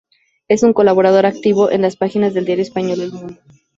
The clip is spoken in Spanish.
Es un colaborador activo en las páginas del diario español El Mundo.